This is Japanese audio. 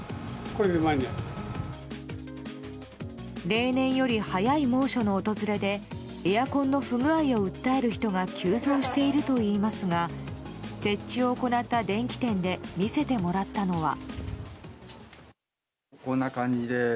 例年より早い猛暑の訪れでエアコンの不具合を訴える人が急増しているといいますが設置を行った電器店で見せてもらったのは。